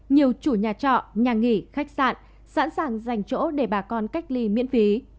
nhiều chủ nhà trọ nhà nghỉ khách sạn sẵn sàng dành chỗ để bà con cách ly miễn phí